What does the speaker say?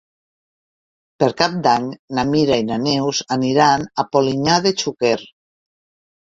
Per Cap d'Any na Mira i na Neus aniran a Polinyà de Xúquer.